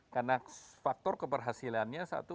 karena faktor keberhasilannya satu